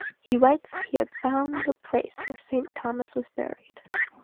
He writes he had found the place where Saint Thomas was buried.